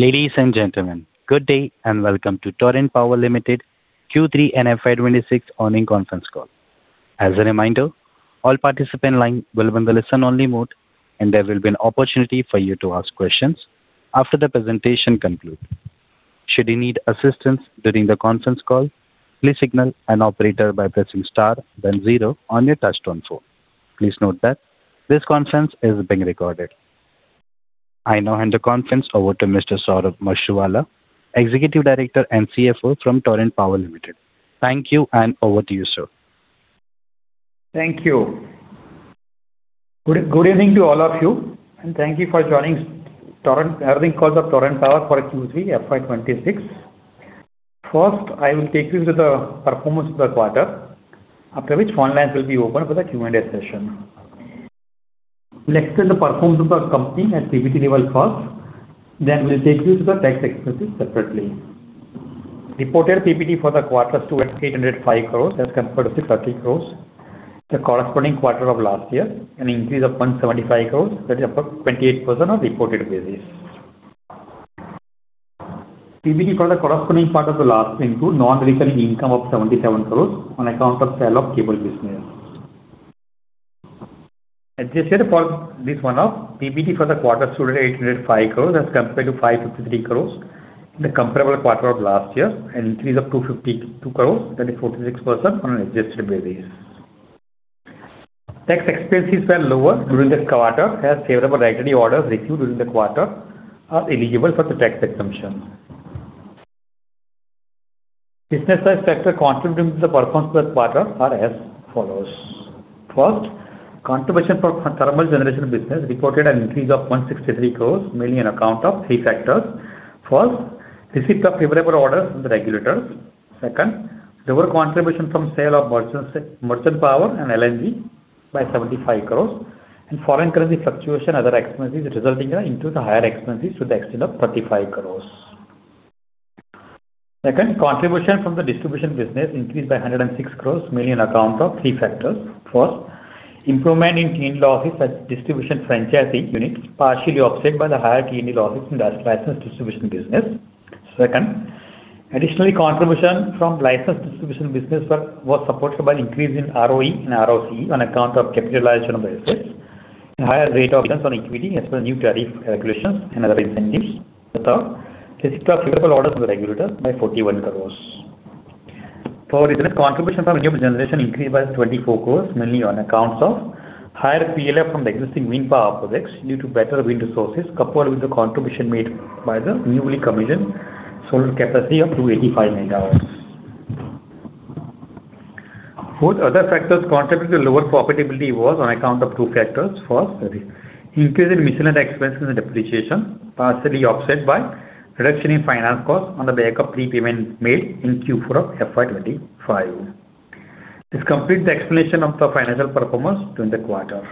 Ladies and gentlemen, good day and welcome to Torrent Power Limited Q3 FY 2026 earnings conference call. As a reminder, all participants' lines will be in the listen-only mode, and there will be an opportunity for you to ask questions after the presentation concludes. Should you need assistance during the conference call, please signal an operator by pressing star, then zero on your touchtone phone. Please note that this conference is being recorded. I now hand the conference over to Mr. Saurabh Mashruwala, Executive Director and CFO from Torrent Power Limited. Thank you, and over to you, sir. Thank you. Good evening to all of you, and thank you for joining the earnings call of Torrent Power for Q3 FY 2026. First, I will take you through the performance of the quarter, after which phone lines will be open for the Q&A session. We'll explain the performance of the company at PBT level first, then we'll take you through the tax expenses separately. Reported PBT for the quarter stood at 805 crore as compared to 30 crore, the corresponding quarter of last year, an increase of 175 crore that is up 28% on reported basis. PBT for the corresponding period of the last year included non-recurring income of 77 crore on account of sale of cable business. Adjusted for this one-off, PBT for the quarter stood at 805 crore as compared to 553 crore in the comparable quarter of last year, an increase of 252 crore that is 46% on an adjusted basis. Tax expenses were lower during the quarter as favorable regulatory orders received during the quarter are eligible for the tax exemption. Business-wise, factors contributing to the performance of the quarter are as follows. First, contribution from thermal generation business reported an increase of 163 crore mainly on account of three factors. First, receipt of favorable orders from the regulators. Second, lower contribution from sale of merchant power and LNG by 75 crore, and foreign currency fluctuation and other expenses resulting in the higher expenses to the extent of 35 crore. Second, contribution from the distribution business increased by 106 crore mainly on account of three factors. First, improvement in T&D losses at distribution franchisee units partially offset by the higher T&D losses in license distribution business. Second, additionally, contribution from license distribution business was supported by an increase in ROE and ROCE on account of capitalization of the assets, a higher rate of returns on equity as per new tariff regulations and other incentives. Third, receipt of favorable orders from the regulators by 41 crore. Fourth, contribution from renewable generation increased by 24 crore mainly on account of higher PLF from the existing wind power projects due to better wind resources coupled with the contribution made by the newly commissioned solar capacity of 285 MW. Fourth, other factors contributing to lower profitability were on account of two factors. First, increase in maintenance and expenses and depreciation partially offset by reduction in finance costs on the back of prepayment made in Q4 of FY 2025. This completes the explanation of the financial performance during the quarter.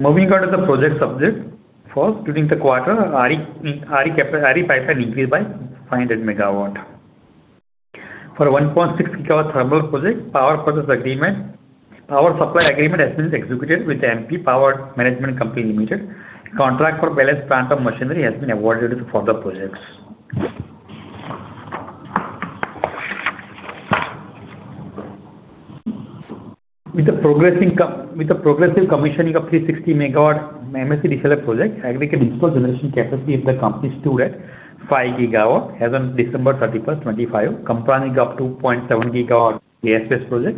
Moving on to the project subject. First, during the quarter, RE pipeline increased by 500 MW. For 1.6 GW thermal project, power supply agreement has been executed with MP Power Management Company Limited. Contract for balance plant of machinery has been awarded for the projects. With the progressive commissioning of 306 MW MSEDCL project, aggregate installed generation capacity of the company stood at 5 GW as on December 31st, 2025. Company got 2.7 GW gas-based project,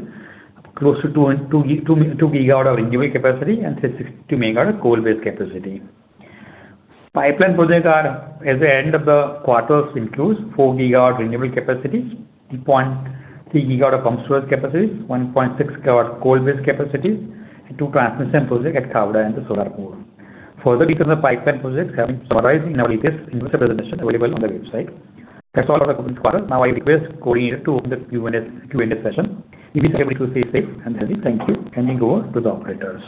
close to 2 GW of renewable capacity, and 362 MW of coal-based capacity. Pipeline projects at the end of the quarter include 4 GW renewable capacities, 3.3 GW of pump storage capacities, 1.6 GW coal-based capacities, and two transmission projects at Khavda and Solapur. Further details of the pipeline projects have been summarized in our latest investor presentation available on the website. That's all for the conference quarter. Now, I request the coordinator to open the Q&A session. If you're able to stay safe and healthy, thank you. Handing over to the operators.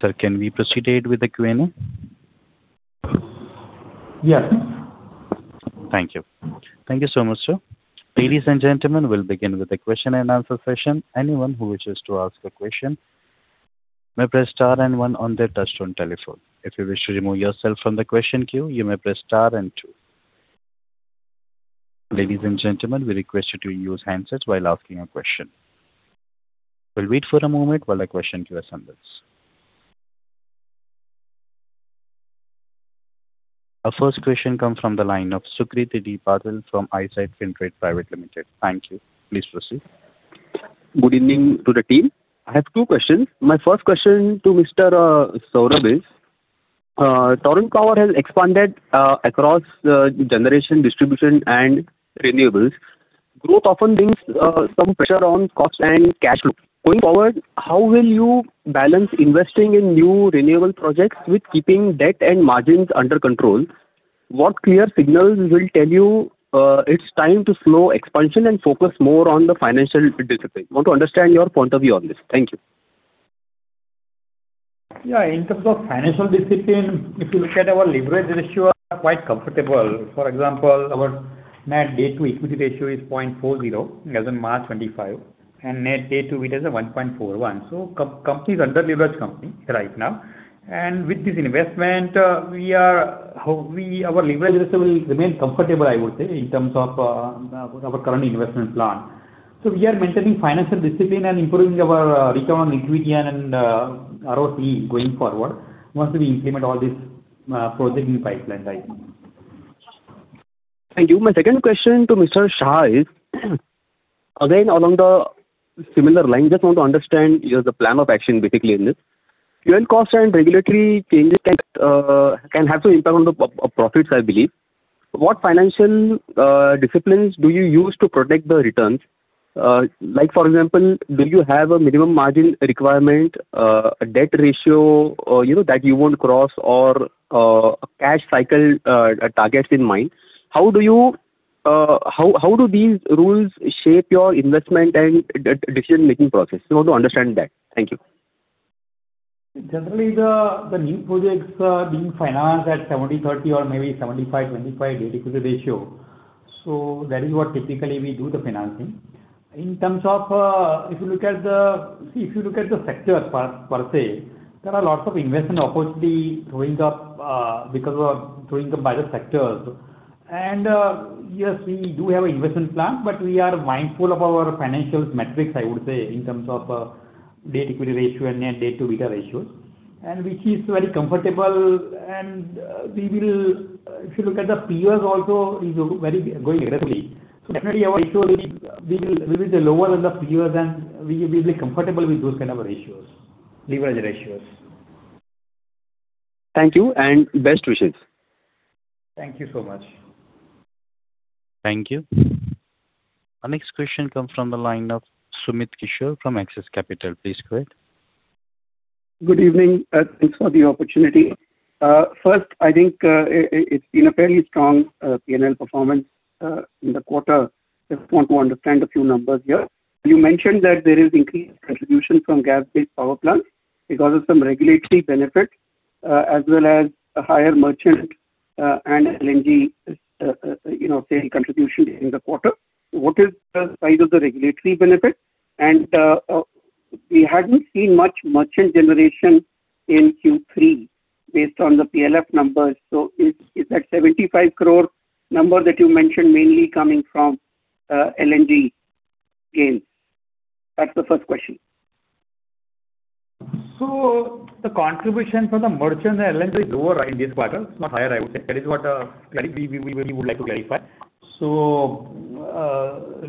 Sir, can we proceed with the Q&A? Yes. Thank you. Thank you so much, sir. Ladies and gentlemen, we'll begin with the question-and-answer session. Anyone who wishes to ask a question, may press star and one on their touchtone telephone. If you wish to remove yourself from the question queue, you may press star and two. Ladies and gentlemen, we request you to use handsets while asking a question. We'll wait for a moment while the question queue assembles. Our first question comes from the line of Sucrit Patil from Eyesight Fintrade Private Limited. Thank you. Please proceed. Good evening to the team. I have two questions. My first question to Mr. Saurabh is, Torrent Power has expanded across generation, distribution, and renewables. Growth often brings some pressure on cost and cash flow. Going forward, how will you balance investing in new renewable projects with keeping debt and margins under control? What clear signals will tell you it's time to slow expansion and focus more on the financial discipline? I want to understand your point of view on this. Thank you. Yeah. In terms of financial discipline, if you look at our leverage ratio, we are quite comfortable. For example, our net debt-to-equity ratio is 0.40 as of March 2025, and net debt-to-EBITDA is 1.41. The company is an under-leveraged company right now. With this investment, our leverage ratio will remain comfortable, I would say, in terms of our current investment plan. We are maintaining financial discipline and improving our return on equity and ROCE going forward once we implement all these projects in the pipeline, I think. Thank you. My second question to Mr. Saurabh is, again, along the similar lines, just want to understand the plan of action, basically, in this. Fuel costs and regulatory changes can have some impact on the profits, I believe. What financial disciplines do you use to protect the returns? For example, do you have a minimum margin requirement, a debt ratio that you won't cross, or cash cycle targets in mind? How do these rules shape your investment and decision-making process? I want to understand that. Thank you. Generally, the new projects are being financed at 70/30 or maybe 75/25 net equity ratio. That is what typically we do the financing. In terms of if you look at the, if you look at the sectors per se, there are lots of investment opportunities throwing up because of throwing up by the sectors. Yes, we do have an investment plan, but we are mindful of our financial metrics, I would say, in terms of net equity ratio and net debt-to-EBITDA ratios, which is very comfortable. If you look at the peers also, it's going aggressively. So definitely, our ratio, we will be lower than the peers, and we'll be comfortable with those kinds of leverage ratios. Thank you, and best wishes. Thank you so much. Thank you. Our next question comes from the line of Sumit Kishore from Axis Capital. Please go ahead. Good evening. Thanks for the opportunity. First, I think it's been a fairly strong P&L performance in the quarter. I just want to understand a few numbers here. You mentioned that there is increased contribution from gas-based power plants because of some regulatory benefit as well as a higher merchant and LNG sale contribution during the quarter. What is the size of the regulatory benefit? And we hadn't seen much merchant generation in Q3 based on the PLF numbers. So is that 75 crore number that you mentioned mainly coming from LNG gains? That's the first question. So the contribution from the merchant and LNG is lower in this quarter. It's not higher, I would say. That is what we would like to clarify. So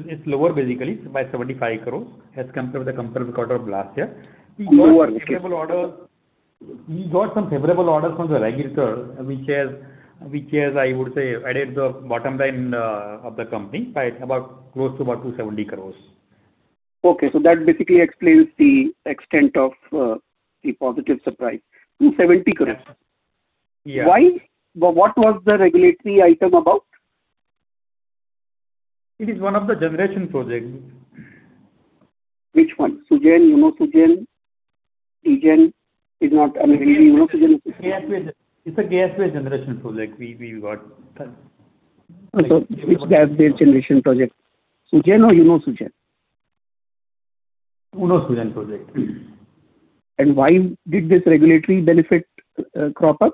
it's lower, basically, by 75 crore as compared with the comparable quarter of last year. We got some favorable orders from the regulator, which has, I would say, added the bottom line of the company by close to about 270 crore. Okay. That basically explains the extent of the positive surprise. 270 crore, right? What was the regulatory item about? It is one of the generation projects. Which one? SUGEN, you know SUGEN? I mean, you know SUGEN? It's a gas-based generation project we got. Which gas-based generation project? SUGEN or you know SUGEN? You know, SUGEN project. Why did this regulatory benefit crop up?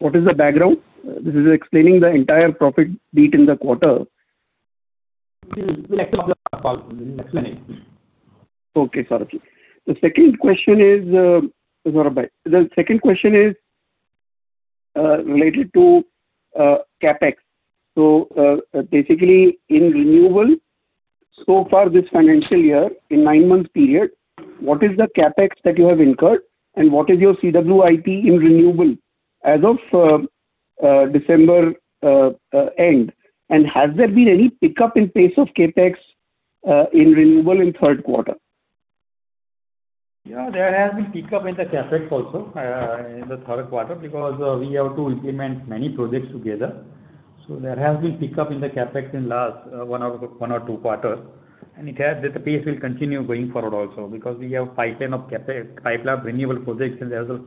What is the background? This is explaining the entire profit beat in the quarter. We'll explain it. Okay, Saurabh. The second question is related to CapEx. So basically, in renewable, so far this financial year, in nine months' period, what is the CapEx that you have incurred, and what is your CWIP in renewable as of December end? And has there been any pickup in pace of CapEx in renewable in third quarter? Yeah, there has been pickup in the CapEx also in the third quarter because we have to implement many projects together. There has been pickup in the CapEx in the last one or two quarters. The pace will continue going forward also because we have a pipeline of renewable projects, and there is a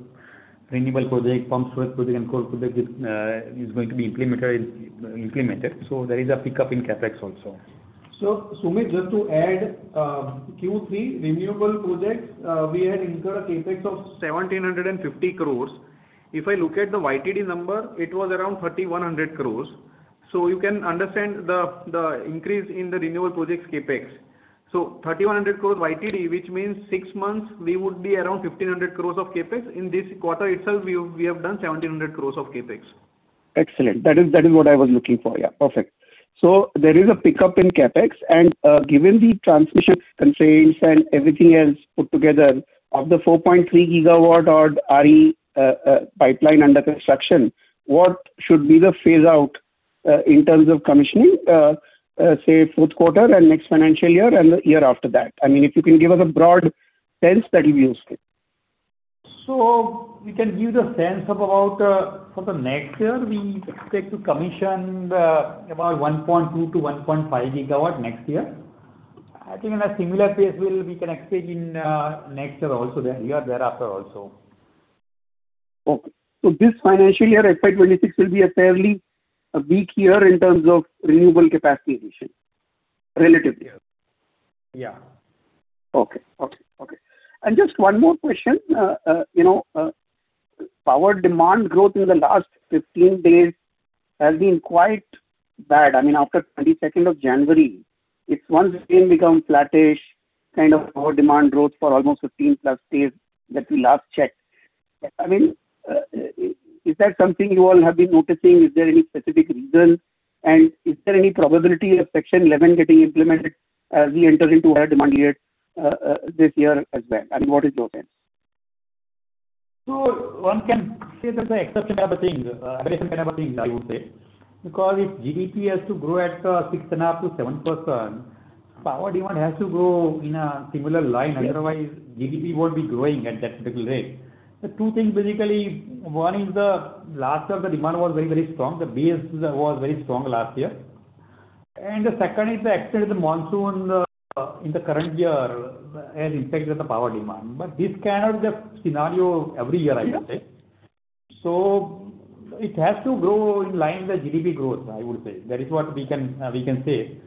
renewable project, pump storage project, and coal project that is going to be implemented. There is a pickup in CapEx also. So Sumit, just to add, Q3 renewable projects, we had incurred a CapEx of 1,750 crore. If I look at the YTD number, it was around 3,100 crore. So you can understand the increase in the renewable projects' CapEx. So 3,100 crore YTD, which means six months, we would be around 1,500 crore of CapEx. In this quarter itself, we have done 1,700 crore of CapEx. Excellent. That is what I was looking for. Yeah, perfect. There is a pickup in CapEx. Given the transmission constraints and everything else put together of the 4.3 GW RE pipeline under construction, what should be the phase-out in terms of commissioning, say, fourth quarter and next financial year and the year after that? I mean, if you can give us a broad sense, that will be useful. We can give you a sense of about for the next year, we expect to commission about 1.2 GW-1.5 GW next year. I think in a similar pace, we can expect in next year also, here and thereafter also. Okay. So this financial year, FY 2026, will be a fairly weak year in terms of renewable capacitation, relatively. Yeah. And just one more question. Power demand growth in the last 15 days has been quite bad. I mean, after 22nd of January, it's once again become flattish kind of power demand growth for almost 15+ days that we last checked. I mean, is that something you all have been noticing? Is there any specific reason? And is there any probability of Section 11 getting implemented as we enter into higher demand year this year as well? I mean, what is your sense? One can say there's an exception kind of a thing, a variation kind of a thing, I would say, because if GDP has to grow at 6.5%-7%, power demand has to grow in a similar line. Otherwise, GDP won't be growing at that particular rate. The two things, basically, one is the last year, the demand was very, very strong. The base was very strong last year. The second is the extent of the monsoon in the current year has impacted the power demand. This cannot be the scenario every year, I can say. It has to grow in line with the GDP growth, I would say. That is what we can say.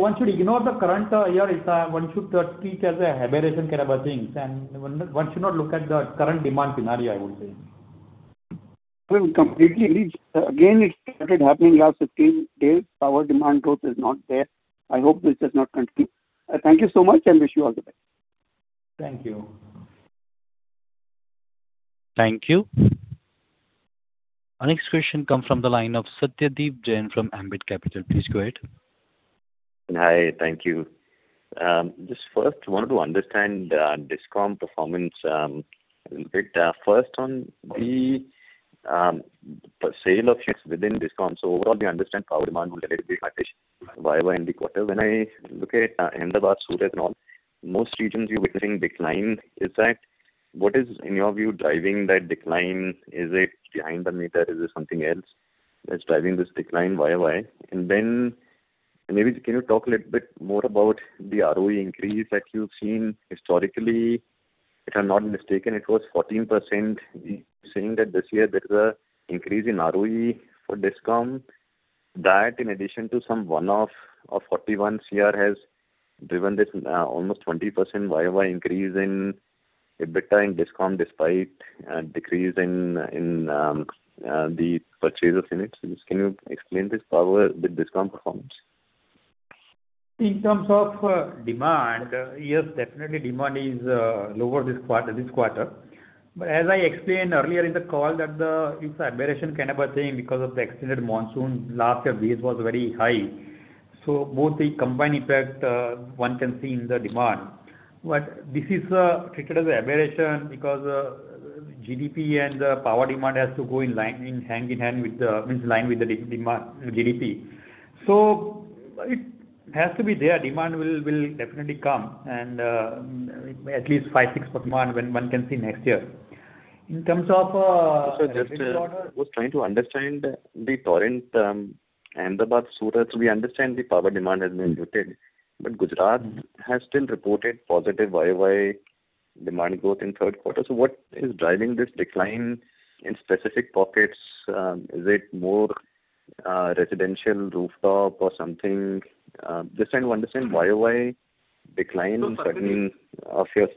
One should ignore the current year. One should treat it as an aberration kind of a thing. One should not look at the current demand scenario, I would say. Well, completely. Again, it started happening last 15 days. Power demand growth is not there. I hope this does not continue. Thank you so much, and wish you all the best. Thank you. Thank you. Our next question comes from the line of Satyadeep Jain from Ambit Capital. Please go ahead. Hi. Thank you. Just first, wanted to understand Discom performance a little bit. First, on the sale of shares within Discom, so overall, we understand power demand will be a little bit higher in the quarter. When I look at Ahmedabad, Surat, and all, most regions you're witnessing decline. Is that what is, in your view, driving that decline? Is it behind the meter? Is it something else that's driving this decline? Why? Why? And then maybe can you talk a little bit more about the ROE increase that you've seen historically? If I'm not mistaken, it was 14%. You're saying that this year, there is an increase in ROE for Discom. That, in addition to some one-off of 41 crore, has driven this almost 20% increase in EBITDA in Discom despite a decrease in the purchase of units. Can you explain this with Discom performance? In terms of demand, yes, definitely, demand is lower this quarter. But as I explained earlier in the call, that it's an aberration kind of a thing because of the extended monsoon. Last year, base was very high. So both the combined impact, one can see in the demand. But this is treated as an aberration because GDP and the power demand has to go in hand-in-hand with the means line with the GDP. So it has to be there. Demand will definitely come, and at least 5%-6% demand one can see next year. In terms of. So just I was trying to understand the Torrent in Ahmedabad and Surat. So we understand the power demand has been muted, but Gujarat has still reported positive YoY demand growth in third quarter. So what is driving this decline in specific pockets? Is it more residential rooftop or something? Just trying to understand YoY decline, suddenly, of yours.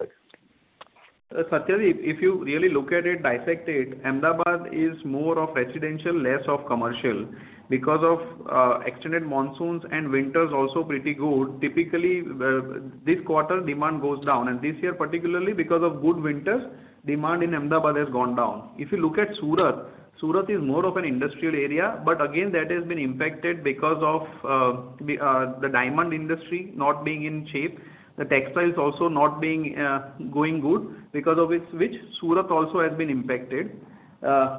Satyadeep, if you really look at it, dissect it, Ahmedabad is more of residential, less of commercial. Because of extended monsoons and winters also pretty good, typically, this quarter, demand goes down. And this year particularly, because of good winters, demand in Ahmedabad has gone down. If you look at Surat, Surat is more of an industrial area. But again, that has been impacted because of the diamond industry not being in shape. The textiles also not going good because of which Surat also has been impacted.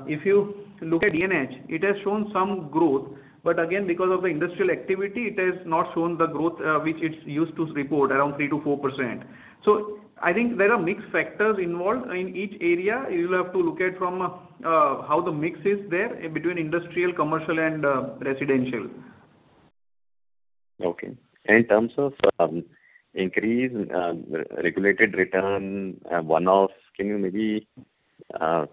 If you look at DNH, it has shown some growth. But again, because of the industrial activity, it has not shown the growth which it's used to report, around 3%-4%. So I think there are mixed factors involved. In each area, you'll have to look at how the mix is there between industrial, commercial, and residential. Okay. In terms of increase, regulated return, one-off, can you maybe talk?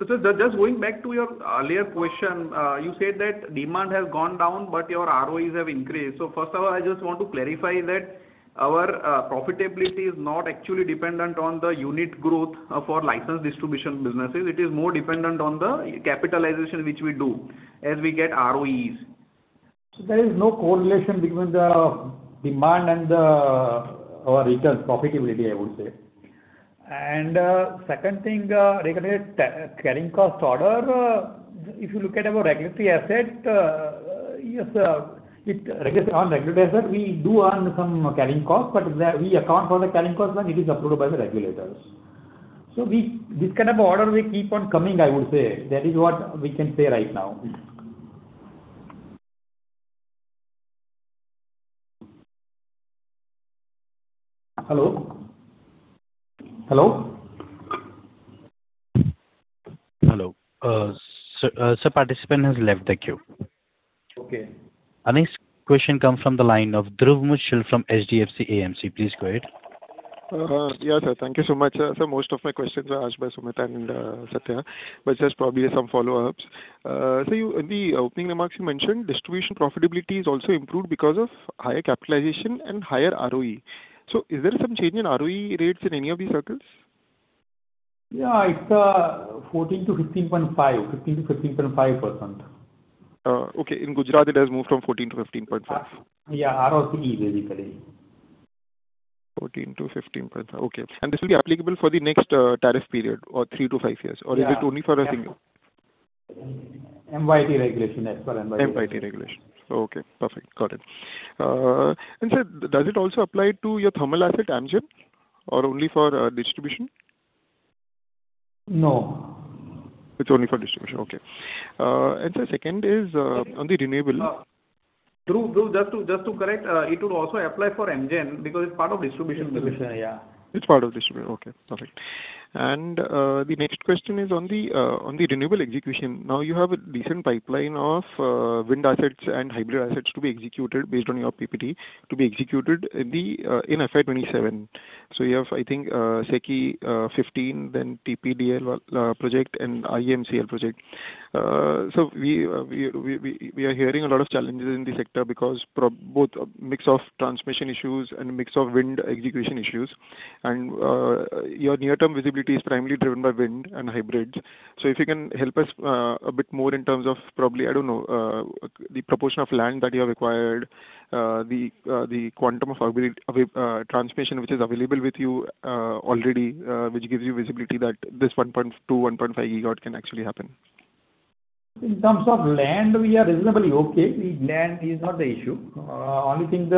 So just going back to your earlier question, you said that demand has gone down, but your ROEs have increased. So first of all, I just want to clarify that our profitability is not actually dependent on the unit growth for license distribution businesses. It is more dependent on the capitalization which we do as we get ROEs. So there is no correlation between the demand and our returns, profitability, I would say. And second thing, regarding carrying cost order, if you look at our regulatory asset, yes, on regulatory asset, we do earn some carrying cost, but we account for the carrying cost when it is approved by the regulators. So this kind of order, we keep on coming, I would say. That is what we can say right now. Hello? Hello? Hello. Sir, participant has left the queue. Our next question comes from the line of Dhruv Muchhal from HDFC AMC. Please go ahead. Yes, sir. Thank you so much. Sir, most of my questions were asked by Sumit and Satya, but just probably some follow-ups. Sir, in the opening remarks, you mentioned distribution profitability is also improved because of higher capitalization and higher ROE. So is there some change in ROE rates in any of these circles? Yeah. It's 14% to 15.5%. Okay. In Gujarat, it has moved from 14% to 15.5%. Yeah. ROCE, basically. 14% to 15.5%. Okay. And this will be applicable for the next tariff period or three to five years, or is it only for a single? MYT regulation, yes, for MYT. MYT regulation. Okay. Perfect. Got it. Sir, does it also apply to your thermal asset, AMGEN, or only for distribution? No. It's only for distribution. Okay. Sir, second is on the renewable. Dhruv, just to correct, it would also apply for AMGEN because it's part of distribution. Distribution, yeah. It's part of distribution. Okay. Perfect. And the next question is on the renewable execution. Now, you have a decent pipeline of wind assets and hybrid assets to be executed based on your PPT to be executed in FY 2027. So you have, I think, SECI-15, then TPDL project, and IMCL project. So we are hearing a lot of challenges in the sector because both a mix of transmission issues and a mix of wind execution issues. And your near-term visibility is primarily driven by wind and hybrids. So if you can help us a bit more in terms of probably, I don't know, the proportion of land that you have acquired, the quantum of transmission which is available with you already, which gives you visibility that this 1.2 GW-1.5 GW can actually happen. In terms of land, we are reasonably okay. Land is not the issue. Only thing,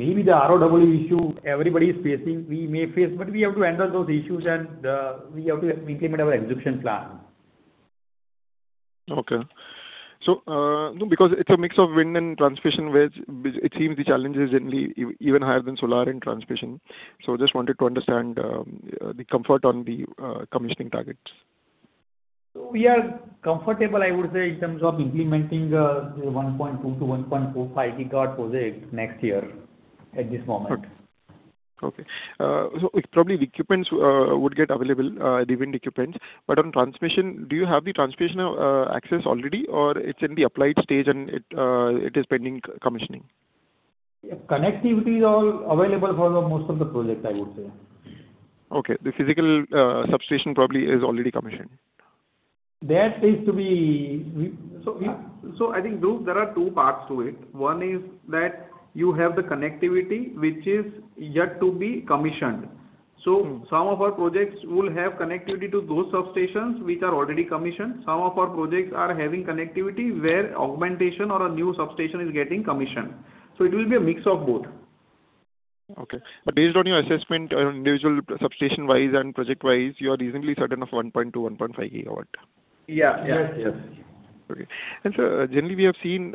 maybe the ROW issue everybody is facing, we may face, but we have to handle those issues, and we have to implement our execution plan. Okay. So because it's a mix of wind and transmission, it seems the challenge is even higher than solar and transmission. So I just wanted to understand the comfort on the commissioning targets. We are comfortable, I would say, in terms of implementing the 1.2 GW-1.5 GW project next year at this moment. Okay. So probably the equipment would get available, the wind equipment. But on transmission, do you have the transmission access already, or it's in the applied stage, and it is pending commissioning? Connectivity is all available for most of the projects, I would say. Okay. The physical substation probably is already commissioned. That is to be so I think, Dhruv, there are two parts to it. One is that you have the connectivity, which is yet to be commissioned. So some of our projects will have connectivity to those substations which are already commissioned. Some of our projects are having connectivity where augmentation or a new substation is getting commissioned. So it will be a mix of both. Okay. But based on your assessment, individual substation-wise and project-wise, you are reasonably certain of 1.2 GW-1.5GW. Yeah. Yes, yes. Okay. Sir, generally, we have seen,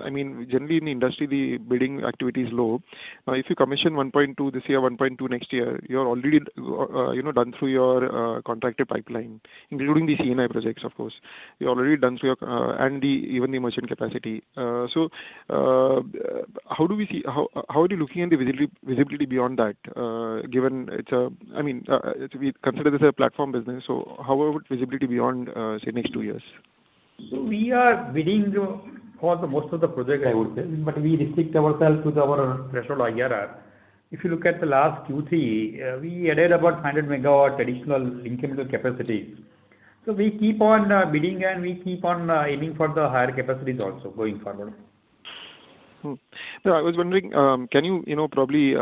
I mean, generally, in the industry, the bidding activity is low. Now, if you commission 1.2 this year, 1.2 next year, you are already done through your contracted pipeline, including the C&I projects, of course. You're already done through and even the merchant capacity. So how do we see how are you looking at the visibility beyond that, given it's a—I mean, we consider this a platform business. So how about visibility beyond, say, next two years? We are bidding for most of the projects, I would say, but we restrict ourselves to our threshold IRR. If you look at the last Q3, we added about 500 MW additional linked chemical capacities. We keep on bidding, and we keep on aiming for the higher capacities also going forward. Sir, I was wondering, can you probably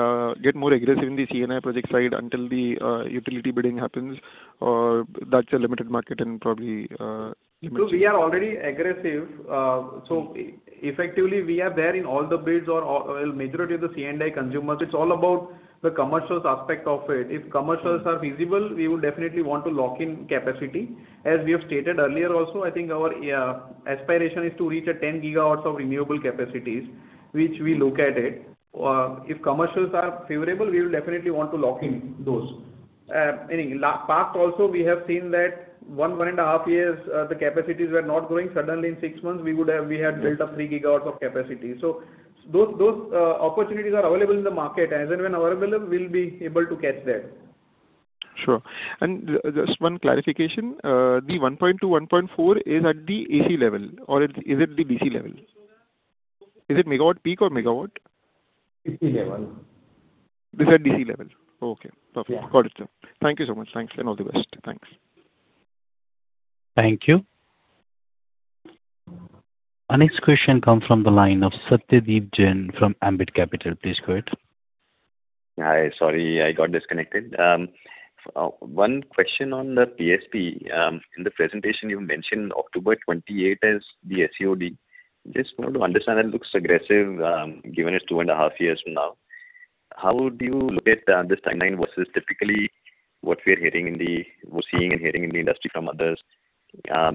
get more aggressive in the C&I project side until the utility bidding happens, or that's a limited market and probably limited? So we are already aggressive. So effectively, we are there in all the bids or majority of the C&I consumers. It's all about the commercial aspect of it. If commercials are feasible, we will definitely want to lock in capacity. As we have stated earlier also, I think our aspiration is to reach 10 GW of renewable capacities, which we look at it. If commercials are favorable, we will definitely want to lock in those. I mean, past also, we have seen that 1.5 years, the capacities were not growing. Suddenly, in months, we had built up 3 GW of capacity. So those opportunities are available in the market. As and when available, we'll be able to catch that. Sure. Just one clarification, the 1.2, 1.4 is at the AC level, or is it the DC level? Is it megawatt peak or megawatt? DC level. This is at DC level. Okay. Perfect. Got it, sir. Thank you so much. Thanks, and all the best. Thanks. Thank you. Our next question comes from the line of Satyadeep Jain from Ambit Capital. Please go ahead. Hi. Sorry, I got disconnected. One question on the PSP. In the presentation, you mentioned October 28 as the SEOD. Just wanted to understand. It looks aggressive given it's 2.5 years from now. How do you look at this timeline versus typically what we are hearing, what we're seeing and hearing in the industry from others,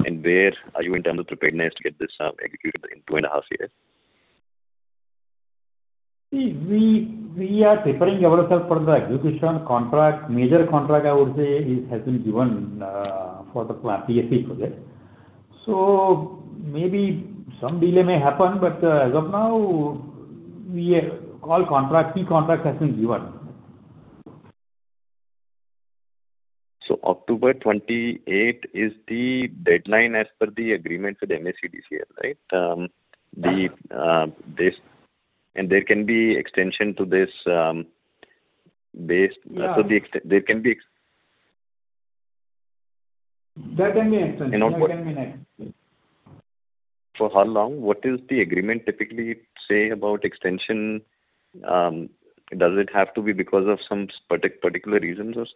and where are you in terms of preparedness to get this executed in 2.5 years? See, we are preparing ourselves for the execution. Major contract, I would say, has been given for the PSP project. So maybe some delay may happen, but as of now, all contract, key contract has been given. October 28 is the deadline as per the agreement with MSEDCL, right? And there can be extension to this based so there can be. There can be extension. And what? There can be an extension. For how long? What does the agreement typically say about extension? Does it have to be because of some particular reasons or?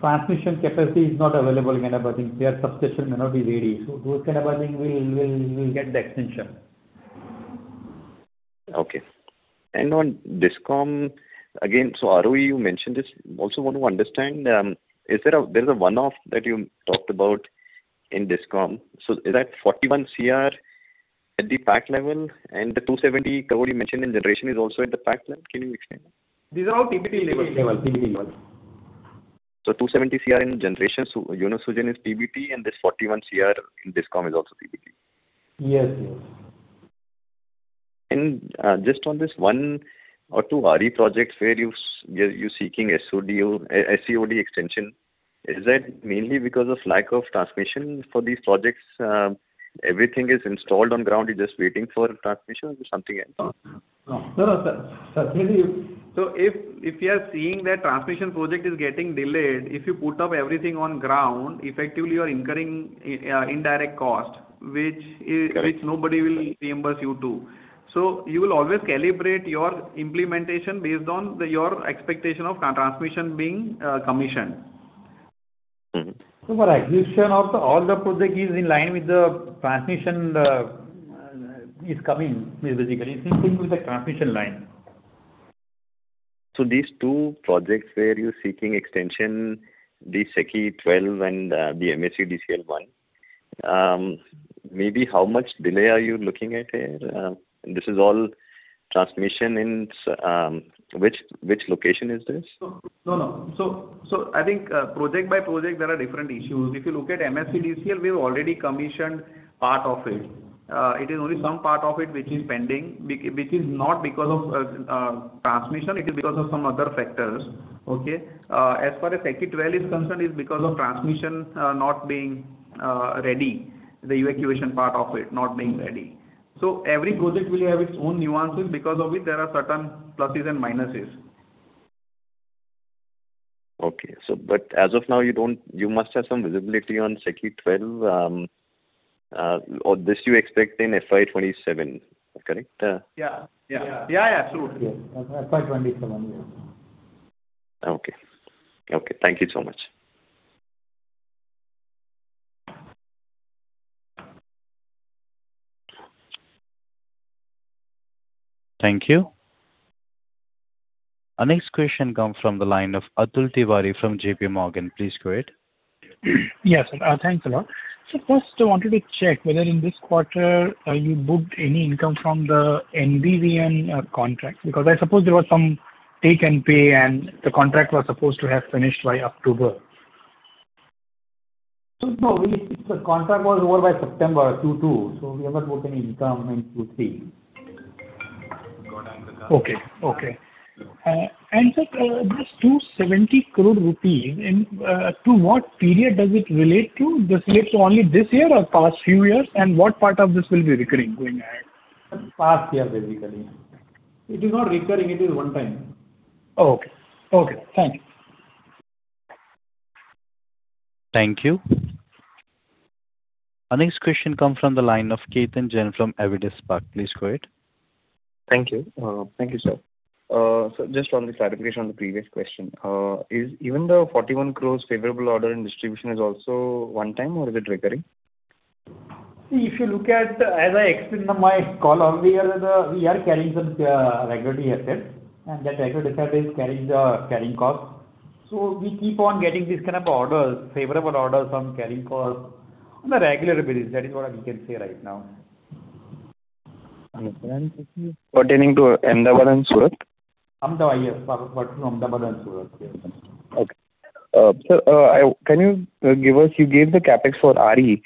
Transmission capacity is not available in kind of a thing. Substation may not be ready. So those kind of a thing will get the extension. Okay. And on Discom, again, so ROE, you mentioned this. Also want to understand, there is a one-off that you talked about in Discom. So is that 41 crore at the pack level, and the 270 crore, I thought you mentioned, in generation is also at the pack level? Can you explain that? These are all PBT levels. 270 crore in generation, so UNOSUGEN is PBT, and this 41 crore in Discom is also PBT. Yes, yes. Just on this one or two RE projects where you're seeking SEOD extension, is that mainly because of lack of transmission for these projects? Everything is installed on ground. You're just waiting for transmission or something else? No, no. Sir Satyadeep. So if you are seeing that transmission project is getting delayed, if you put up everything on ground, effectively, you are incurring indirect cost, which nobody will reimburse you to. So you will always calibrate your implementation based on your expectation of transmission being commissioned. So for execution of all the project, it is in line with the transmission is coming, basically. It's the same thing with the transmission line. So these two projects where you're seeking extension, the SECI-12 and the MSEDCL-1, maybe how much delay are you looking at here? This is all transmission in which location is this? No, no. So I think project by project, there are different issues. If you look at MSEDCL, we have already commissioned part of it. It is only some part of it which is pending, which is not because of transmission. It is because of some other factors, okay? As far as SECI-12 is concerned, it's because of transmission not being ready, the evacuation part of it not being ready. So every project will have its own nuances because of which there are certain pluses and minuses. Okay. But as of now, you must have some visibility on SECI-12, or this you expect in FY 2027, correct? Yeah, yeah, yeah, absolutely. FY 2027, yes. Okay. Okay. Thank you so much. Thank you. Our next question comes from the line of Atul Tiwari from JPMorgan. Please go ahead. Yes, sir. Thanks a lot. Sir, first, I wanted to check whether in this quarter, you booked any income from the NVVN contract because I suppose there was some take-and-pay, and the contract was supposed to have finished by October. No, the contract was over by September Q2, so we have not booked any income in Q3. Okay. Okay. And sir, this 270 crore rupees, to what period does it relate to? Does it relate to only this year or past few years, and what part of this will be recurring going ahead? Past year, basically. It is not recurring. It is one-time. Oh, okay. Okay. Thank you. Thank you. Our next question comes from the line of Ketan Jain from Avendus Spark. Please go ahead. Thank you. Thank you, sir. So just on this clarification on the previous question, is even the 41 crore favorable order in distribution also one-time, or is it recurring? See, if you look at, as I explained on my call earlier, we are carrying some regulatory assets, and that regulatory asset is carrying costs. So we keep on getting these kind of orders, favorable orders on carrying costs on a regular basis. That is what we can say right now. Pertaining to Ahmedabad and Surat? Ahmedabad, yes, but from Ahmedabad and Surat, yes. Okay. Sir, can you give us you gave the CapEx for RE.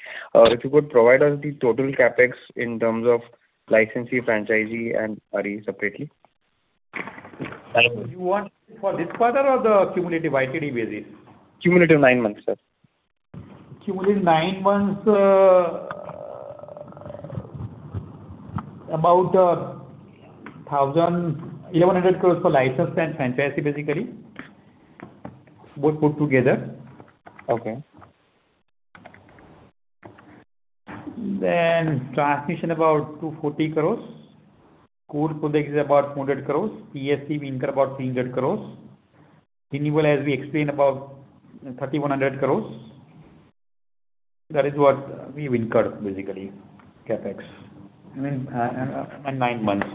If you could provide us the total CapEx in terms of licensee, franchisee, and RE separately. You want for this quarter or the cumulative YTD basis? Cumulative nine months, sir. Cumulative nine months, about 1,100 crore for license and franchisee, basically, both put together. Then transmission about 240 crore. Coal projects is about 400 crore. PSP we incur about 300 crore. Renewables, as we explained, about 3,100 crore. That is what we've incurred, basically, CapEx in nine months.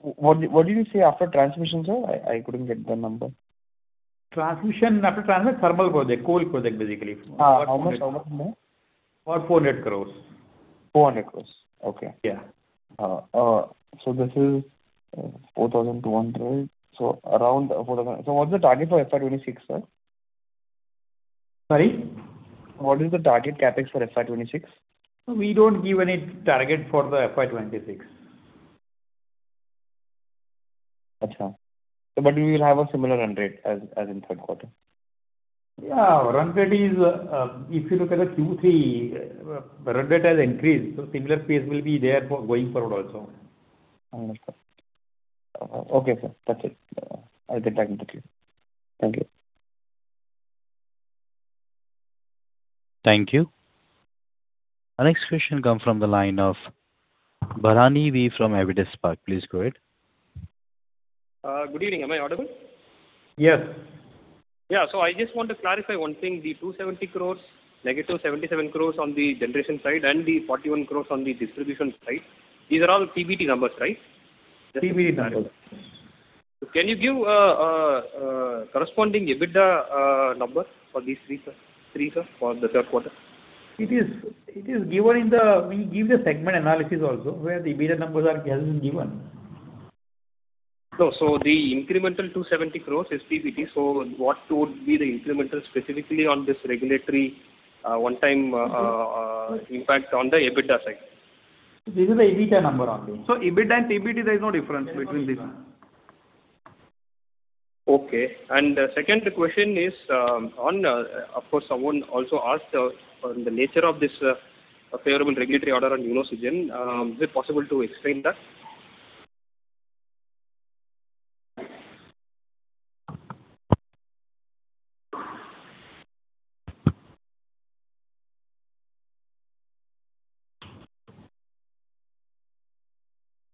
What did you say after transmission, sir? I couldn't get the number. Transmission, after transmission, thermal project, coal project, basically. 400? About INR 400 crore. 400 crore. Okay. Yeah. This is 4,200. Around 4,000. What's the target for FY 2026, sir? Sorry? What is the target CapEx for FY 2026? We don't give any target for the FY 2026. But we will have a similar run rate as in third quarter. Yeah. Run rate is, if you look at the Q3, run rate has increased. So similar pace will be there going forward also. Understood. Okay, sir. That's it. I'll get back to you. Thank you. Thank you. Our next question comes from the line of Bharani V from Avendus Spark. Please go ahead. Good evening. Am I audible? Yes. Yeah. So I just want to clarify one thing. The 270 crore, -77 crore on the generation side, and the 41 crore on the distribution side, these are all PBT numbers, right? PBT numbers. Can you give a corresponding EBITDA number for these three, sir, for the third quarter? It is given in the segment analysis also where the EBITDA numbers are given. No. So the incremental 270 crore is PBT. So what would be the incremental specifically on this regulatory one-time impact on the EBITDA side? This is the EBITDA number only. EBITDA and PBT, there is no difference between these. Okay. The second question is, of course, someone also asked on the nature of this favorable regulatory order on UNOSUGEN. Is it possible to explain that?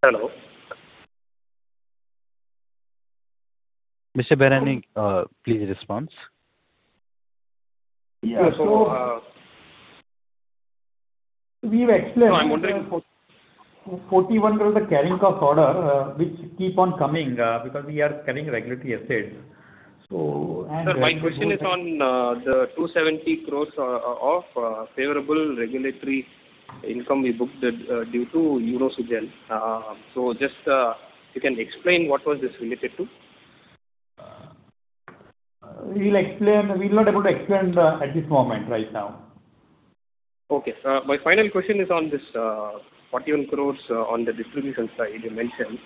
Hello? Mr. Bharani, please respond. Yeah. We've explained. No, I'm wondering. 41 crore of the carrying cost order, which keep on coming because we are carrying regulatory assets. Sir, my question is on the 270 crore of favorable regulatory income we booked due to UNOSUGEN. So just if you can explain what was this related to? We'll explain. We're not able to explain at this moment, right now. Okay. My final question is on this 41 crore on the distribution side you mentioned.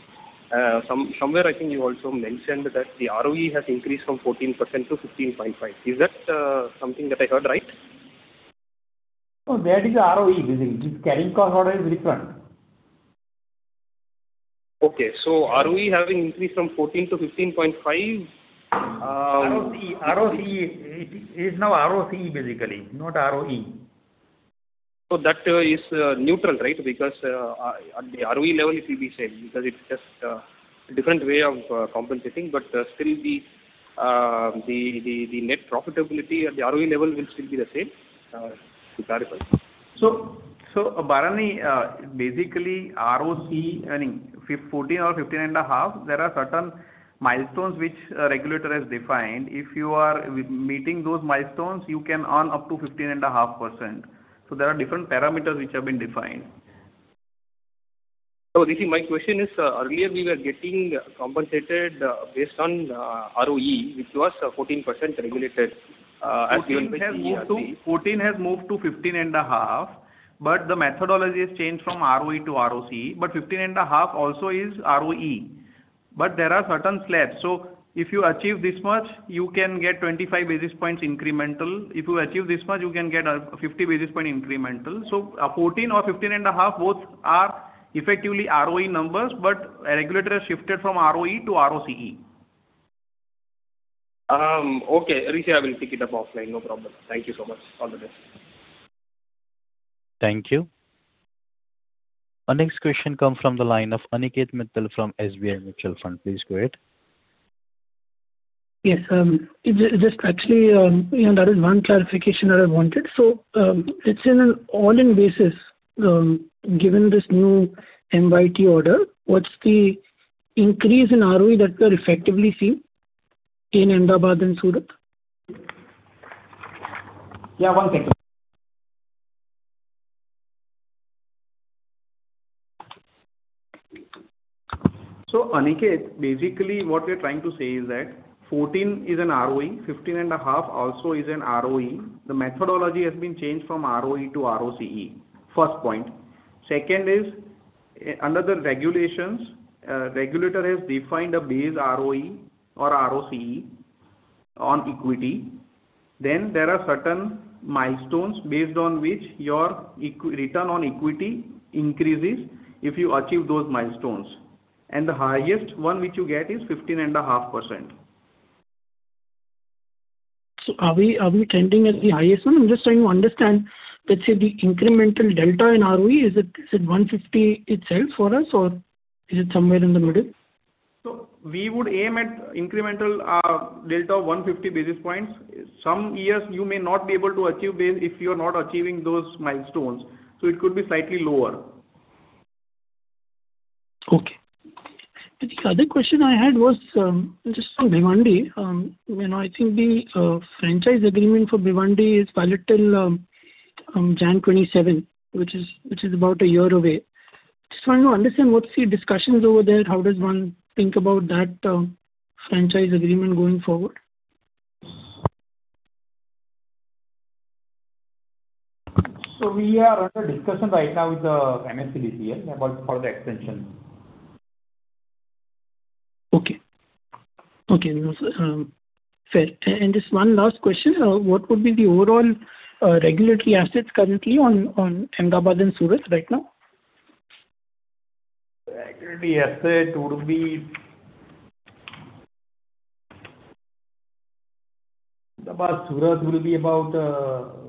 Somewhere, I think you also mentioned that the ROE has increased from 14% to 15.5%. Is that something that I heard right? No, that is ROE, basically. This carrying cost order is different. Okay. So ROE having increased from 14% to 15.5%. ROCE. It is now ROCE, basically, not ROE. That is neutral, right, because at the ROE level, it will be same because it's just a different way of compensating. But still, the net profitability at the ROE level will still be the same to clarify. So Bharani, basically, ROCE, I mean, 14% or 15.5%, there are certain milestones which a regulator has defined. If you are meeting those milestones, you can earn up to 15.5%. So there are different parameters which have been defined. So this is my question: earlier, we were getting compensated based on ROE, which was 14% regulated as given by. 14% has moved to 15.5%, but the methodology has changed from ROE to ROCE. But 15.5% also is ROE. But there are certain slabs. So if you achieve this much, you can get 25 basis points incremental. If you achieve this much, you can get 50 basis point incremental. So 14% or 15.5%, both are effectively ROE numbers, but a regulator has shifted from ROE to ROCE. Okay. Arisha, I will pick it up offline. No problem. Thank you so much. All the best. Thank you. Our next question comes from the line of Aniket Mittal from SBI Mutual Fund. Please go ahead. Yes. Just actually, there is one clarification that I wanted. So let's say in an all-in basis, given this new MYT order, what's the increase in ROE that we are effectively seeing in Ahmedabad and Surat? Yeah, one second. So, Aniket, basically, what we are trying to say is that 14% is an ROE, 15.5% also is an ROE. The methodology has been changed from ROE to ROCE, first point. Second is, under the regulations, a regulator has defined a base ROE or ROCE on equity. Then there are certain milestones based on which your return on equity increases if you achieve those milestones. The highest one which you get is 15.5%. Are we trending at the highest one? I'm just trying to understand. Let's say the incremental delta in ROE, is it 150 itself for us, or is it somewhere in the middle? So we would aim at incremental delta of 150 basis points. Some years, you may not be able to achieve base if you are not achieving those milestones. So it could be slightly lower. Okay. The other question I had was just for Bhiwandi. I think the franchise agreement for Bhiwandi is valid till January 2027, which is about a year away. Just wanted to understand what's the discussions over there. How does one think about that franchise agreement going forward? We are under discussion right now with the MSEDCL for the extension. Okay. Okay. Fair. And just one last question. What would be the overall regulatory assets currently on Ahmedabad and Surat right now? Regulatory asset would be Ahmedabad. Surat will be about.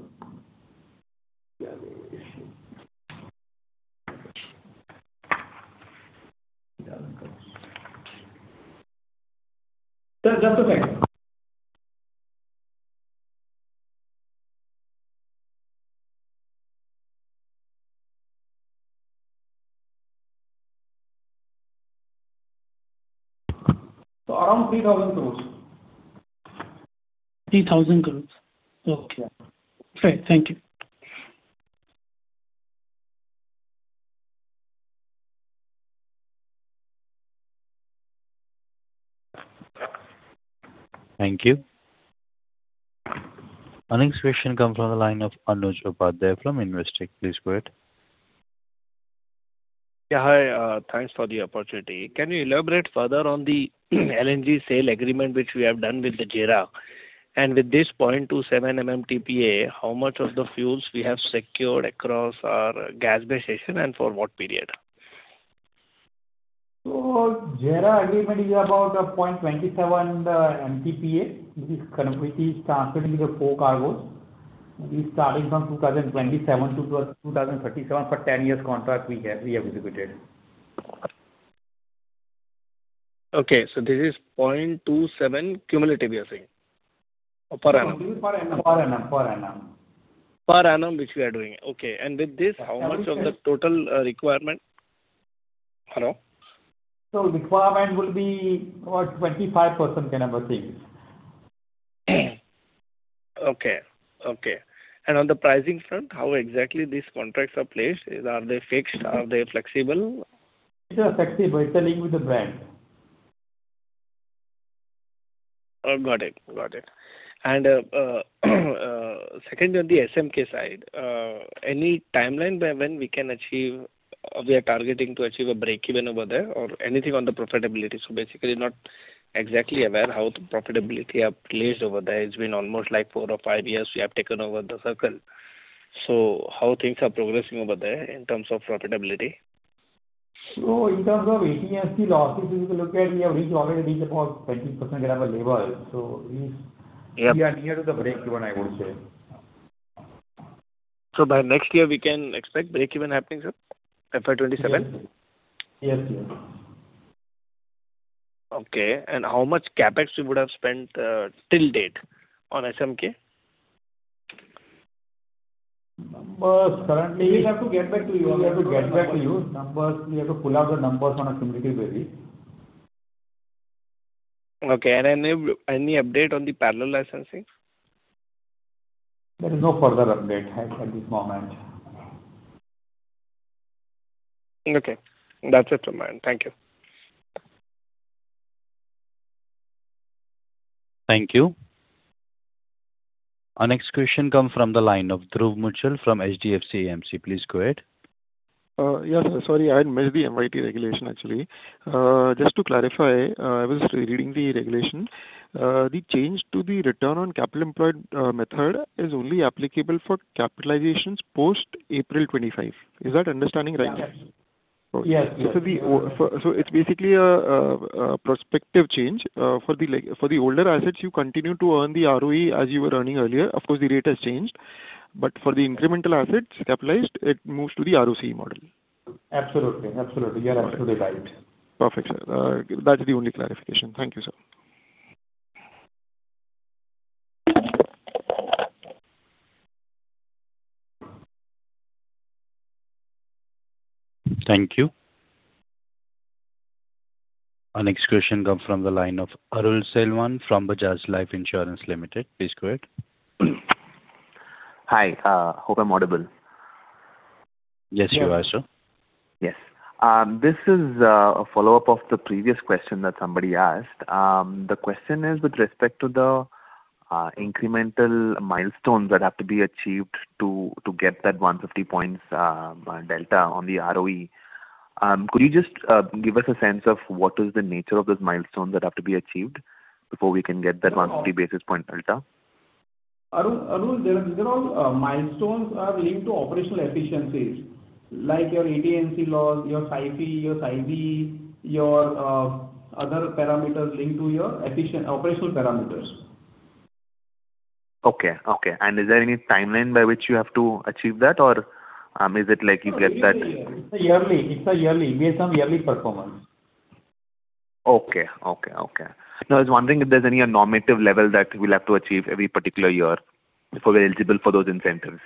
Sir, just a second. So around 3,000 crore. 3,000 crore. Okay. Fair. Thank you. Thank you. Our next question comes from the line of Anuj Upadhyay from Investec. Please go ahead. Yeah. Hi. Thanks for the opportunity. Can you elaborate further on the LNG sale agreement which we have done with the JERA? And with this 0.27 MMTPA, how much of the fuels we have secured across our gas-based station, and for what period? JERA agreement is about 0.27 MMTPA, which is transferring to the four cargoes. We are starting from 2027 to 2037 for 10 years contract we have executed. Okay. So this is 0.27 cumulative, you are saying? Or per annum? Per annum. Per annum. Per annum. Per annum, which we are doing. Okay. And with this, how much of the total requirement? Hello? Requirement will be about 25%, kind of a thing. Okay. Okay. On the pricing front, how exactly these contracts are placed? Are they fixed? Are they flexible? It's flexible. It's linked with the brand. Got it. Got it. And second, on the SMK side, any timeline by when we can achieve we are targeting to achieve a break-even over there or anything on the profitability? So basically, not exactly aware how the profitability are placed over there. It's been almost like four or five years we have taken over the circle. So how things are progressing over there in terms of profitability? In terms of AT&C losses, if you look at it, we have reached already about 20% kind of a level. We are near to the breakeven, I would say. So by next year, we can expect breakeven happening, sir, FY 2027? Yes, yes. Okay. And how much CapEx you would have spent till date on SMK? Currently, we have to get back to you. We have to get back to you. We have to pull out the numbers on a cumulative basis. Okay. Any update on the parallel licensing? There is no further update at this moment. Okay. That's it from my end. Thank you. Thank you. Our next question comes from the line of Dhruv Muchhal from HDFC AMC. Please go ahead. Yeah, sir. Sorry, I had missed the MYT regulation, actually. Just to clarify, I was reading the regulation. The change to the return on capital employed method is only applicable for capitalizations post April 2025. Is that understanding right? Yes, yes. It's basically a prospective change. For the older assets, you continue to earn the ROE as you were earning earlier. Of course, the rate has changed. But for the incremental assets capitalized, it moves to the ROCE model. Absolutely. Absolutely. You are absolutely right. Perfect, sir. That's the only clarification. Thank you, sir. Thank you. Our next question comes from the line of Arul Selvan from Bajaj Life Insurance Limited. Please go ahead. Hi. Hope I'm audible. Yes, you are, sir. Yes. This is a follow-up of the previous question that somebody asked. The question is with respect to the incremental milestones that have to be achieved to get that 150 points delta on the ROE. Could you just give us a sense of what is the nature of those milestones that have to be achieved before we can get that 150 basis point delta? Arul, these are all milestones are linked to operational efficiencies, like your AT&C losses, your SAIFI, your SAIDI, your other parameters linked to your operational parameters. Okay. Okay. Is there any timeline by which you have to achieve that, or is it like you get that? It's a yearly. It's a yearly. We have some yearly performance. Okay. Okay. Okay. Now, I was wondering if there's any normative level that we'll have to achieve every particular year before we're eligible for those incentives?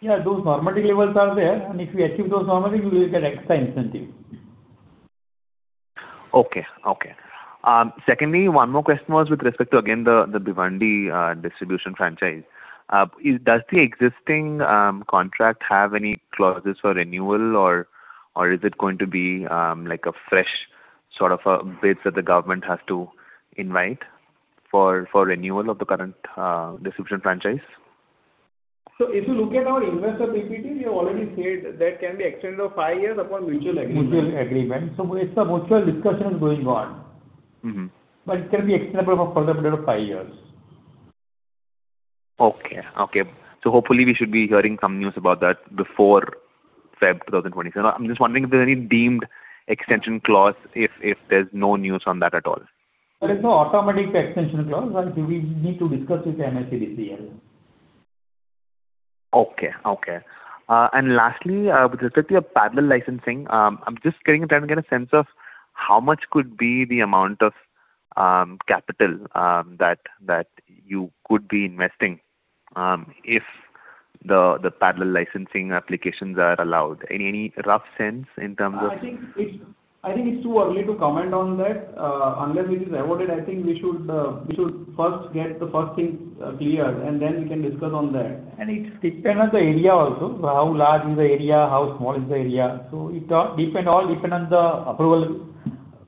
Yeah, those normative levels are there. If we achieve those normative, we will get extra incentive. Okay. Okay. Secondly, one more question was with respect to, again, the Bhiwandi distribution franchise. Does the existing contract have any clauses for renewal, or is it going to be a fresh sort of a bid that the government has to invite for renewal of the current distribution franchise? So if you look at our investor PPT, we have already said that can be extended for five years upon mutual agreement. Mutual agreement. So it's a mutual discussion that's going on. But it can be extended for further period of five years. Okay. Okay. So hopefully, we should be hearing some news about that before February 2027. I'm just wondering if there's any deemed extension clause if there's no news on that at all? There is no automatic extension clause. We need to discuss with the MSEDCL. Okay. Okay. And lastly, with respect to your parallel licensing, I'm just trying to get a sense of how much could be the amount of capital that you could be investing if the parallel licensing applications are allowed. Any rough sense in terms of? I think it's too early to comment on that. Unless it is awarded, I think we should first get the first thing cleared, and then we can discuss on that. It depends on the area also, how large is the area? How small is the area? It all depends on the approval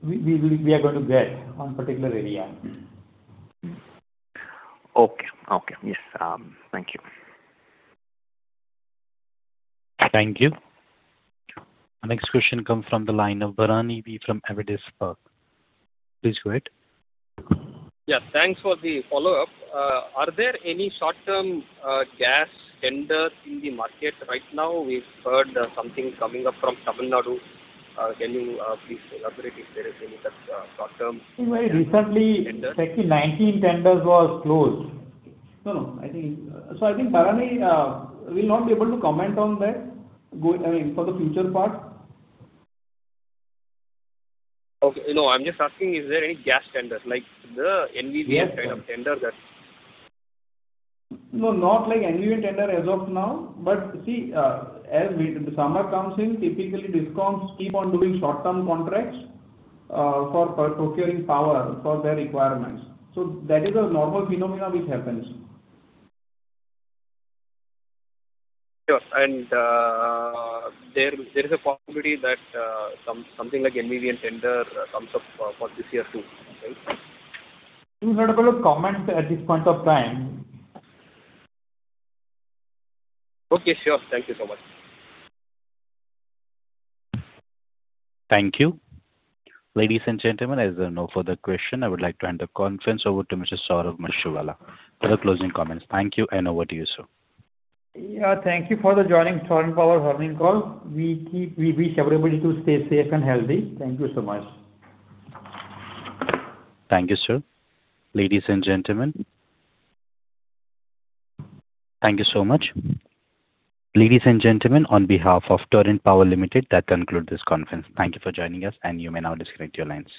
we are going to get on a particular area. Okay. Okay. Yes. Thank you. Thank you. Our next question comes from the line of Bharani V from Avendus Spark. Please go ahead. Yeah. Thanks for the follow-up. Are there any short-term gas tenders in the market right now? We've heard something coming up from Tamil Nadu. Can you please elaborate if there is any such short-term tenders? I think very recently, SECI-19 tenders was closed. No, no. So I think Bharani will not be able to comment on that, I mean, for the future part. Okay. No, I'm just asking, is there any gas tenders, like the NVVN kind of tender that? No, not like NVVN tender as of now. But see, as the summer comes in, typically, discoms keep on doing short-term contracts for procuring power for their requirements. So that is a normal phenomenon which happens. Sure. And there is a possibility that something like NVVN tender comes up for this year too, right? I think we're not able to comment at this point of time. Okay. Sure. Thank you so much. Thank you. Ladies and gentlemen, as there are no further questions, I would like to hand the conference over to Mr. Saurabh Mashruwala for the closing comments. Thank you, and over to you, sir. Yeah. Thank you for joining Torrent Power's earning call. We wish everybody to stay safe and healthy. Thank you so much. Thank you, sir. Ladies and gentlemen, thank you so much. Ladies and gentlemen, on behalf of Torrent Power Limited, that concludes this conference. Thank you for joining us, and you may now disconnect your line.